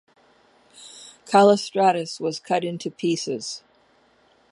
Callistratus was cut into pieces.